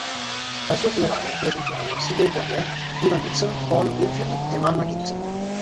Al suo funerale presenziarono Sidney Poitier, Ivan Dixon, Paul Winfield, e Marla Gibbs.